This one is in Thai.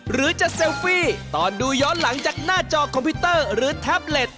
หรือจะเซลฟี่ตอนดูย้อนหลังจากหน้าจอคอมพิวเตอร์หรือแท็บเล็ต